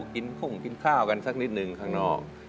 กินข้งกินข้าวกันสักนิดนึงข้างนอก